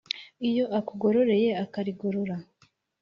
iyo akugororeye akarigorora